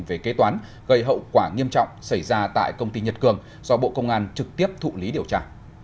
về kế toán gây hậu quả nghiêm trọng xảy ra tại công ty nhật cường do bộ công an trực tiếp thụ lý điều tra